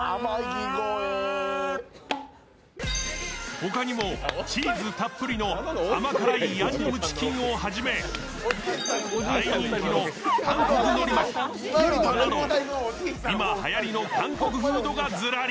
他にもチーズたっぷりの甘辛いヤンニョムチキンをはじめ大人気の韓国のり巻き・キンパなど今はやりの韓国フードがずらり。